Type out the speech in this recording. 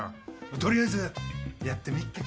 取りあえずやってみっか。